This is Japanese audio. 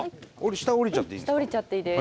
下下りちゃっていいです。